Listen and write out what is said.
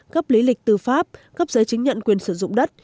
cấp lý lịch tư pháp cấp giấy chứng nhận quyền sử dụng đất